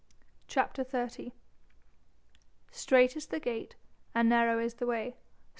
CHAPTER XXX "Strait is the gate, and narrow is the way...." ST.